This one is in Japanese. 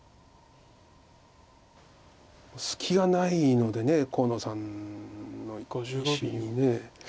隙がないので河野さんの石に。